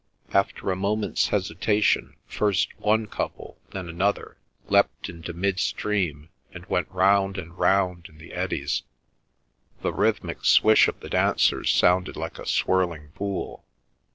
After a moment's hesitation first one couple, then another, leapt into mid stream, and went round and round in the eddies. The rhythmic swish of the dancers sounded like a swirling pool.